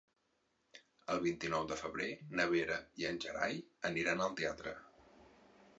El vint-i-nou de febrer na Vera i en Gerai aniran al teatre.